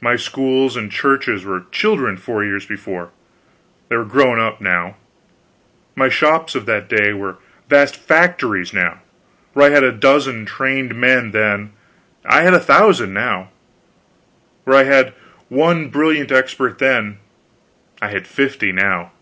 My schools and churches were children four years before; they were grown up now; my shops of that day were vast factories now; where I had a dozen trained men then, I had a thousand now; where I had one brilliant expert then, I had fifty now.